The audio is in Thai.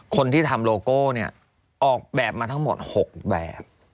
คนที่ทำโลโก้เนี่ยออกแบบมาทั้งหมด๖แบบ